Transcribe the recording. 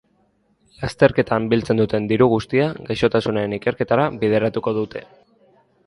Lasterketan biltzen duten diru guztia gaixotasunaren ikerketara bideratuko dute.